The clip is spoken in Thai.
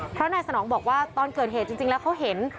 เพราะนายสนองบอกว่าตอนเกิดเหตุจริงแล้วเขาเห็น